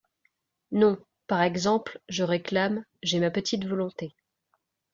Non, par exemple, je réclame, J’ai ma petite volonté.